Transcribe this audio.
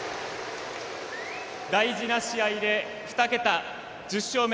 大事な試合で２桁１０勝目。